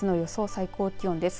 最高気温です。